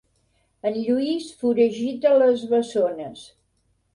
En Lluís foragita les bessones.